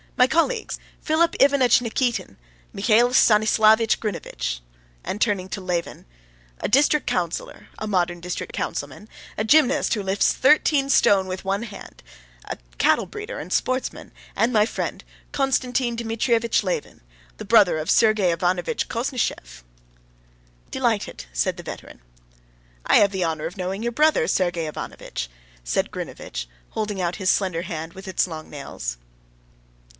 "My colleagues: Philip Ivanitch Nikitin, Mihail Stanislavitch Grinevitch"—and turning to Levin—"a district councilor, a modern district councilman, a gymnast who lifts thirteen stone with one hand, a cattle breeder and sportsman, and my friend, Konstantin Dmitrievitch Levin, the brother of Sergey Ivanovitch Koznishev." "Delighted," said the veteran. "I have the honor of knowing your brother, Sergey Ivanovitch," said Grinevitch, holding out his slender hand with its long nails.